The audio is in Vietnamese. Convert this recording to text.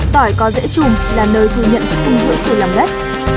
tỏi có dễ trùm là nơi thu nhận sinh dưỡng của lòng đất